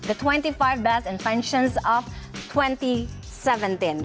ini adalah dua puluh lima kebaikan kebaikan dua ribu tujuh belas